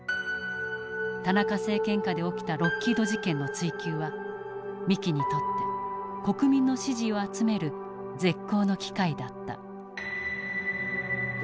田中政権下で起きたロッキード事件の追及は三木にとって国民の支持を集める絶好の機会だった。